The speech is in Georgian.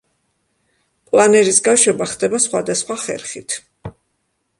პლანერის გაშვება ხდება სხვადასხვა ხერხით.